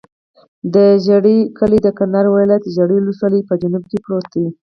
د ژرۍ کلی د کندهار ولایت، ژرۍ ولسوالي په جنوب کې پروت دی.